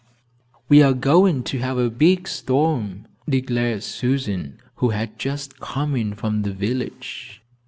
"We are going to have a big storm," declared Susan, who had just come in from the village.